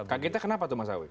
kagetnya kenapa tuh mas sawit